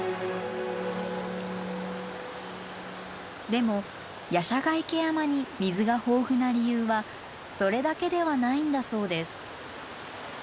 でも夜叉ヶ池山に水が豊富な理由はそれだけではないんだそうです。